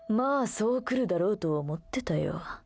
そう来るだろうと思ってたよ。